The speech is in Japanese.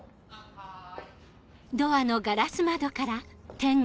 はい。